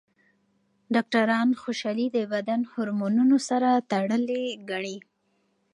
ډاکټران خوشحالي د بدن هورمونونو سره تړلې ګڼي.